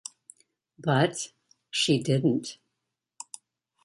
But, she didn't.